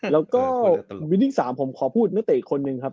แล้วก็สำหรับวินิกส์สามผมขอพูดหน้าเตะอีกคนหนึ่งครับ